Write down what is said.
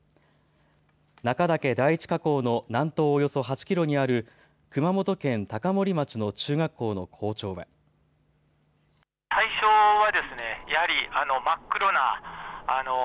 中岳第一火口の南東およそ８キロにある熊本県高森町の中学校の校長は。